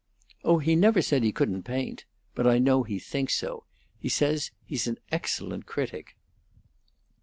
"Oh, he never said he couldn't paint. But I know he thinks so. He says he's an excellent critic."